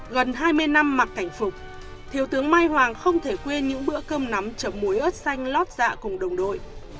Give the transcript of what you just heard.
gần hai mươi năm mặc cảnh phục thiếu tướng mai hoàng không thể quên những bữa cơm nắm chấm muối ớt xanh lót dạ cùng đồng đội